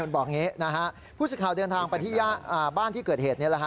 บอกอย่างนี้นะฮะผู้สิทธิ์ข่าวเดินทางไปที่บ้านที่เกิดเหตุ